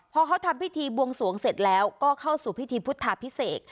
พอเขาทำพิธีบวงสวงเสร็จแล้วก็เข้าสู่พิธีพุทธาพิเศษ